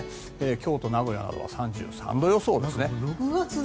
京都、名古屋は３３度予想です。